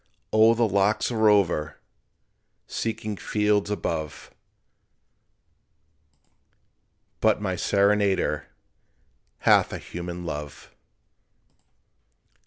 O, the lark's a rover, Seeking fields above: But my serenader Hath a human love.